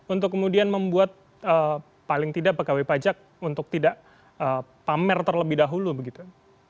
untuk kemudian membuat paling tidak pegawai pajak untuk tidak pamer terlebih dahulu begitu